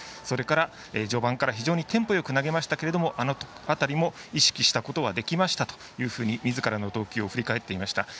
それから、序盤から非常にテンポよく投げましたけれどもあの辺りも意識したことはできましたとみずからの投球を振り返っていました。